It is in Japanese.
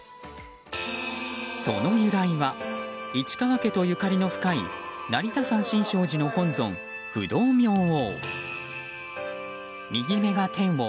その由来は市川家とゆかりの深い成田山新勝寺の本尊・不動明王。